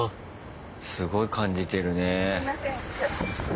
すごい感じてるね。